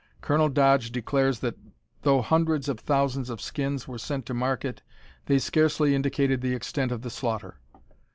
Colonel Dodge declares that, though hundreds of thousands of skins were sent to market, they scarcely indicated the extent of the slaughter.